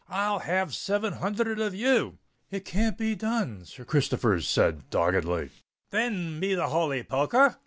I'll have seven hunthred of you." "It can't be done," said Sir Christopher doggedly. "Then, be the holy poker r!